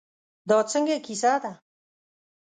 دا څنګه کیسه ده.